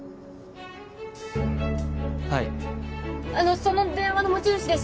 はいあのその電話の持ち主です